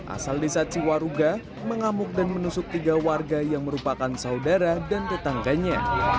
asal desa ciwaruga mengamuk dan menusuk tiga warga yang merupakan saudara dan tetangganya